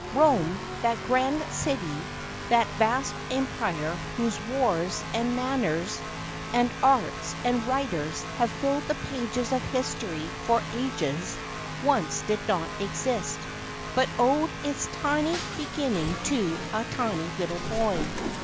Rome, that grand city, that vast empire; whose wars, and manners, and arts, and writers, have filled the pages of history for ages, once did not exist; but owed its tiny be¬ ginning to a tiny little boy.